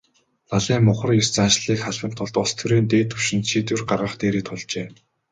Лалын мухар ес заншлыг халахын тулд улс төрийн дээд түвшинд шийдвэр гаргах дээрээ тулжээ.